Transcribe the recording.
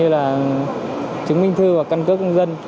và chứng minh thư và căn cước công dân